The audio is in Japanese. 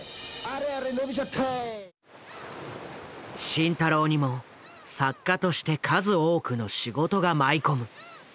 慎太郎にも作家として数多くの仕事が舞い込む。